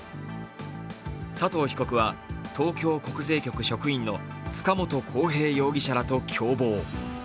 佐藤被告は東京国税局職員の塚本晃平容疑者らと共謀。